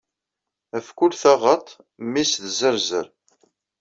Af kull taɣaṭ, mmi-s d zerzer.